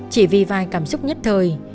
chỉ vì vài cảm xúc nhất thời